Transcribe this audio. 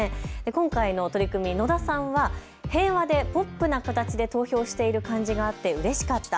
今回の取り組み、野田さんは平和でポップな形で投票している感じがあってうれしかった。